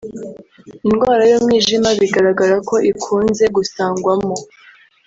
indwara y’umwijima bigaragara ko ikunze gusangwamo